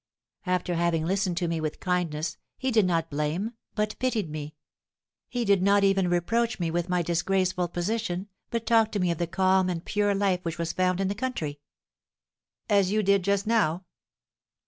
After having listened to me with kindness, he did not blame, but pitied me; he did not even reproach me with my disgraceful position, but talked to me of the calm and pure life which was found in the country." "As you did just now?"